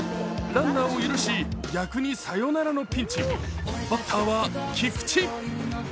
ランナーを許し、逆にサヨナラのピンチ、バッターは菊池。